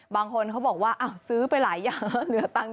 บางคนเขาบอกว่าซื้อไปหลายอย่างแล้วเหลือตังค์